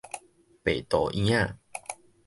白肚圓仔